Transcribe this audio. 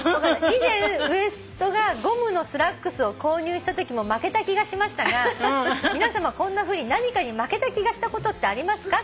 「以前ウエストがゴムのスラックスを購入したときも負けた気がしましたが皆さまこんなふうに何かに負けた気がしたことってありますか？